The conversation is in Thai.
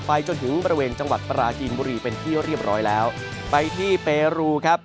ไปจนถึงบริเวณจังหวัดปราจีนบุรีเป็นที่เรียบร้อยแล้วไปที่เปรูครับ